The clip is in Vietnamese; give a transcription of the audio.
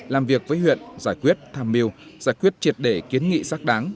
làm việc với huyện giải quyết tham mưu giải quyết triệt để kiến nghị xác đáng